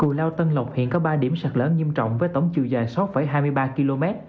cù lao tân lộc hiện có ba điểm sạt lở nghiêm trọng với tổng chiều dài sáu hai mươi ba km